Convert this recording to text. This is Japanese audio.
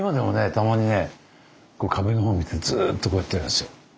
たまにね壁の方見てずっとこうやってやるんですよ。